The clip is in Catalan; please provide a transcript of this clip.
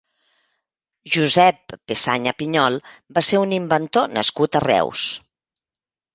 Josep Pesaña Pinyol va ser un inventor nascut a Reus.